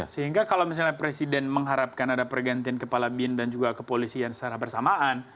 sehingga kalau misalnya presiden mengharapkan ada pergantian kepala bin dan juga kepolisian secara bersamaan